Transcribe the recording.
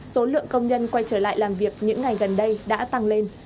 số lượng công nhân quay trở lại làm việc những ngày gần đây đã tăng lên